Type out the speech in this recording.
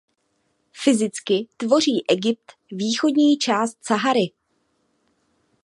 Fyzicky tvoří Egypt východní část Sahary.